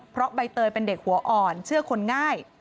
เพราะใบเตยเป็นเด็กหัวอ่อนเชื่อคนง่าย